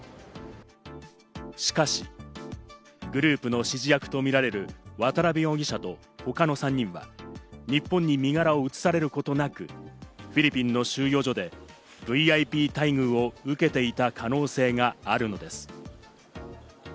しかし、グループの指示役とみられる渡辺容疑者と他の３人は、日本に身柄を移されることなく、フィリピンの収容所でＶＩＰ待遇を受けていた可能性があるのです。